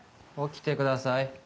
起きてください